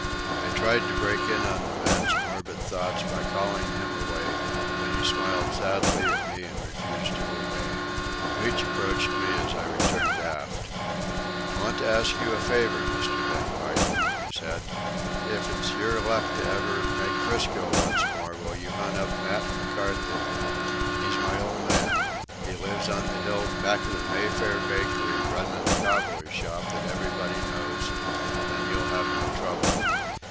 I tried to break in on the man's morbid thoughts by calling him away, but he smiled sadly at me and refused to obey. Leach approached me as I returned aft. "I want to ask a favour, Mr. Van Weyden," he said. "If it's yer luck to ever make 'Frisco once more, will you hunt up Matt McCarthy? He's my old man. He lives on the Hill, back of the Mayfair bakery, runnin' a cobbler's shop that everybody knows, and you'll have no trouble.